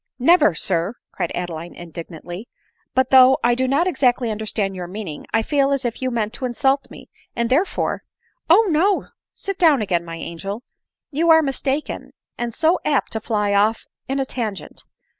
" Never, sir," cried Adeline indignantly.; " but, though 1 do npt exactly understand your meaning, I feel as if you meant to insult me, and therefore —"" Oh no — sit down again, my angel ; you are mis taken, and so apt to fly off in a tangent